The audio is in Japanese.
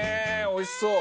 おいしそう！